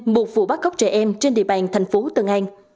một vụ bắt cóc trẻ em trên địa bàn thành phố tân an